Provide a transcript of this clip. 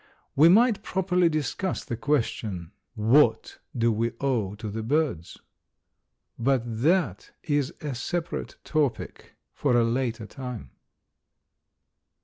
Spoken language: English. We might properly discuss the question, What do we owe to the birds? but that is a separate topic for a later time.